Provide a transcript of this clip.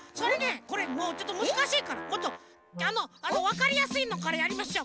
これちょっとむずかしいからあのわかりやすいのからやりましょう。